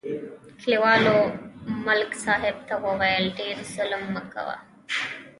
کلیوالو ملک صاحب ته وویل: ډېر ظلم مه کوه